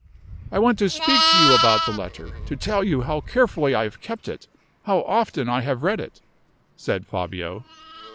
"I want to speak to you about the letter to tell you how carefully I have kept it, how often I have read it," said Fabio.